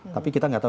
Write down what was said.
tapi kita nggak tahu